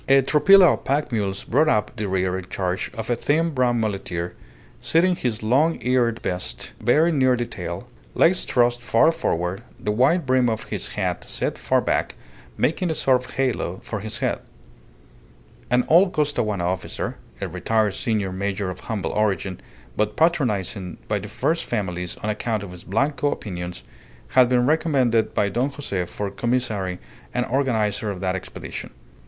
A tropilla of pack mules brought up the rear in charge of a thin brown muleteer, sitting his long eared beast very near the tail, legs thrust far forward, the wide brim of his hat set far back, making a sort of halo for his head. An old Costaguana officer, a retired senior major of humble origin, but patronized by the first families on account of his Blanco opinions, had been recommended by Don Jose for commissary and organizer of that expedition.